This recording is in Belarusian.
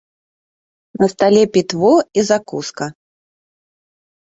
На стале пітво і закуска.